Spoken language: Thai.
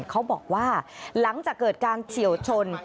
เขาบอกว่าหลังจากเกิดการเฉียวชน